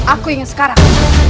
aku ingin sekarang